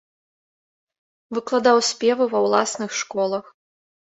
Выкладаў спевы ва ўласных школах.